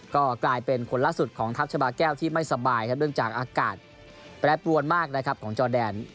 ก็กลายเป็นคนล่าสุดของทัพชาบาแก้วที่ไม่สบายครับเนื่องจากอากาศแปรปรวนมากนะครับของจอแดน